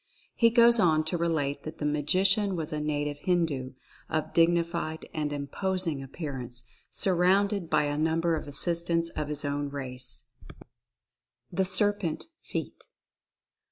He goes on to relate that the Magician was a native Hindu, of dig nified and imposing appearance, surrounded by a number of assistants of his own race. THE SERPENT FEAT.